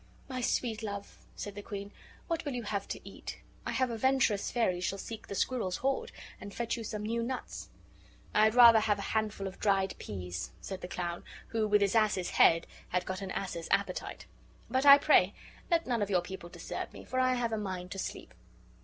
"My sweet love," said the queen, "what will you have to eat? I have a venturous fairy shall seek the squirrel's hoard, and fetch you some new nuts." "I had rather have a handful of dried peas,"' said the clown, who with his ass's head had got an ass's appetite. "But, I pray, let none of your people disturb me, for I have a mind to sleep."